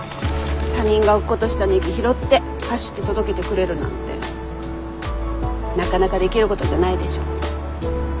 他人が落っことしたネギ拾って走って届けてくれるなんてなかなかできることじゃないでしょう。